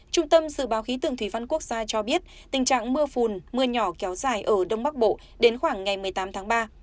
trung tâm dự báo khí tượng thủy văn quốc gia cho biết tình trạng mưa phùn mưa nhỏ kéo dài ở đông bắc bộ đến khoảng ngày một mươi tám tháng ba